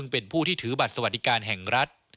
เป็นผู้ที่ถือบัตรสวัสดิการแห่งรัฐ